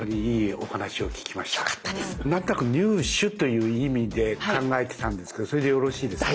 何となく入手という意味で考えてたんですけどそれでよろしいですか？